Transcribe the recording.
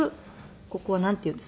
ここはなんていうんですかね？